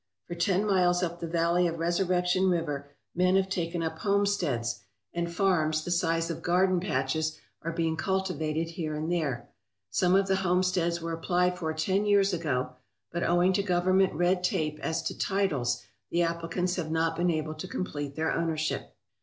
For ten miles up the valley of Resur rection River men have taken up homesteads, and farms 254 THE CITY OF SEWARD the size of garden patches are being cultivated here and there. Some of the homesteads were applied for ten years ago, but owing to government red tape as to titles the applicants have not been able to complete their ownership.